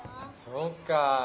そうか。